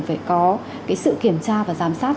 phải có cái sự kiểm tra và giám sát